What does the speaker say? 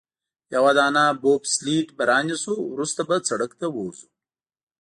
یوه دانه بوبسلیډ به رانیسو، وروسته به سړک ته ووځو.